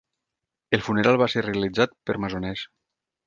El funeral va ser realitzat per masoners.